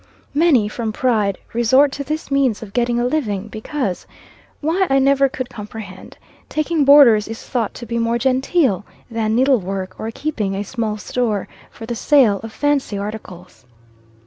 Many, from pride, resort to this means of getting a living, because why I never could comprehend taking boarders is thought to be more genteel than needlework or keeping a small store for the sale of fancy articles.